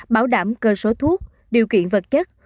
bảo đảm cơ số thuốc điều kiện vật chất